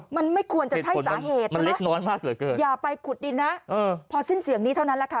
มันไม่ควรจะใช่สาเหตุนะอย่าไปขุดดินนะพอสิ้นเสียงนี้เท่านั้นแหละค่ะ